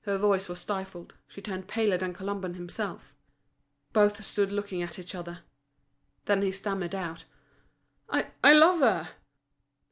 Her voice was stifled, she turned paler than Colomban himself. Both stood looking at each other. Then he stammered out: "I love her!"